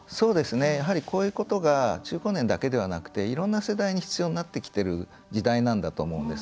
やはり、こういうことが中高年だけではなくていろんな世代に必要になってきている時代なんだと思うんです。